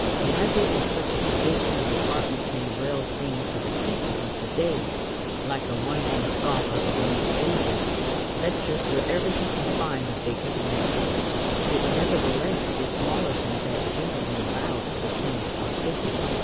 Elaborate as such a provision of apartments may well seem to the teacher who to day, like the wandering scholar of the Middle Ages, lectures wherever he can find a vacant room, it nevertheless is smaller than that generally allowed to the chemist or physicist.